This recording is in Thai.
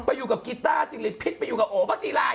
ไปอยู่กับกีตาร์ซิริฟิตไปอยู่กับโอภักษณ์จีลา